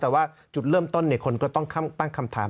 แต่ว่าจุดเริ่มต้นคนก็ต้องตั้งคำถาม